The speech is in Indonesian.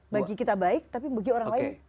bagi kita baik tapi bagi orang lain